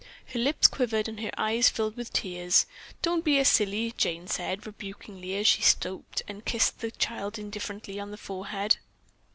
Her lips quivered and her eyes filled with tears. "Don't be a silly," Jane said rebukingly, as she stooped and kissed the child indifferently on the forehead.